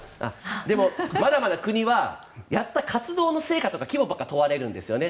でも、まだまだ国はやった活動の成果とか規模ばかり問われるんですよね。